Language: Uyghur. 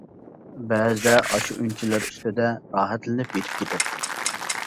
بەزىدە ئاشۇ ئۈنچىلەر ئۈستىدە راھەتلىنىپ يېتىپ كېتەتتىم.